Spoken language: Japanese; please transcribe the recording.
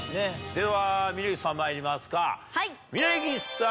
では峯岸さんまいりますか。